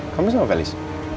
kamu sama felis